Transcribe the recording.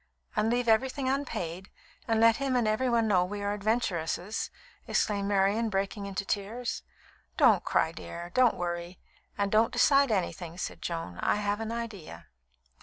"And leave everything unpaid, and let him and everybody know we are adventuresses!" exclaimed Marian, breaking into tears. "Don't cry, dear; don't worry; and don't decide anything," said Joan. "I have an idea."